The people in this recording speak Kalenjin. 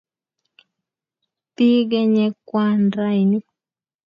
bigeenye kwaan raini